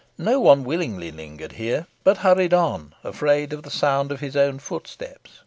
No one willingly lingered here, but hurried on, afraid of the sound of his own footsteps.